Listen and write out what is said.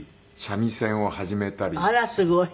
あらすごい。